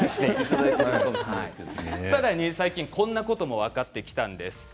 さらに、こんなことも分かってきたんです。